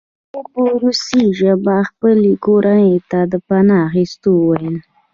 نجلۍ په روسي ژبه خپلې کورنۍ ته د پناه اخیستلو وویل